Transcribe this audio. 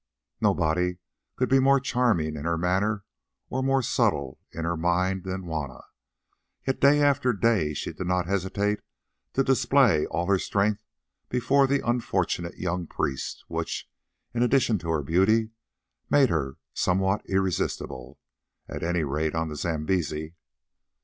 Nobody could be more charming in her manner or more subtle in her mind than Juanna, yet day by day she did not hesitate to display all her strength before the unfortunate young priest, which, in addition to her beauty, made her somewhat irresistible, at any rate on the Zambesi.